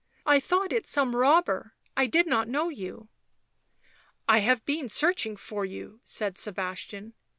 u I thought it some robber — I did not know you." " I have been searching for you,'' said Sebastian.